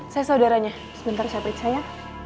saya saudaranya sebentar saya periksa ya